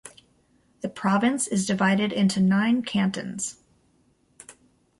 The province is divided into nine cantons.